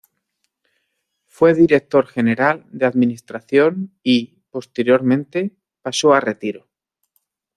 Fue director general de administración y, posteriormente, pasó a retiro.